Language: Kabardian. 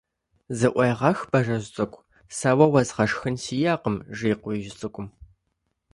Зыӏуегъэх, Бажэжь цӏыкӏу, сэ уэ уэзгъэшхын сиӏэкъым, - жи Къуиижь Цӏыкӏум.